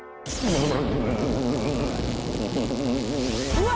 うわ！